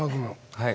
はい。